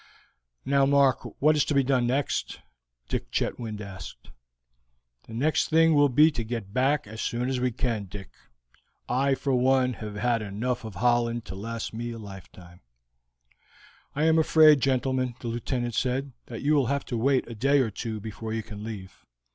"Now, Mark, what is to be done next?" Dick Chetwynd asked. "The next thing will be to get back as soon as we can, Dick. I, for one, have had enough of Holland to last me for a lifetime." "I am afraid, gentlemen," the Lieutenant said, "you will have to wait a day or two before you can leave.